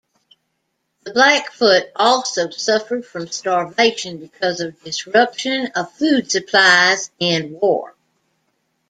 The Blackfoot also suffered from starvation because of disruption of food supplies and war.